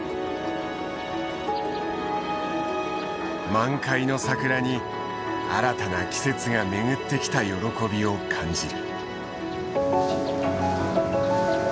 満開の桜に新たな季節が巡ってきた喜びを感じる。